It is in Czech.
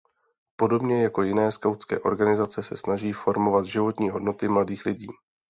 Podobně jako jiné skautské organizace se snaží formovat životní hodnoty mladých lidí.